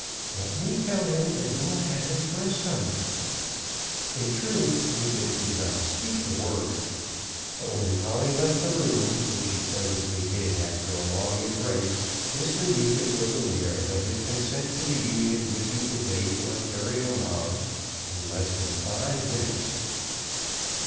Let me tell him that you will have him for a son." In truth, Neefit did not speak the word; but when Polly left the room, which she presently did after a long embrace, Mr. Neefit was aware that his consent to the union would be conveyed to Ontario Moggs in less than five minutes.